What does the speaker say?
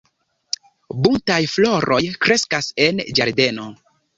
Buntaj floroj kreskas en ĝardeno.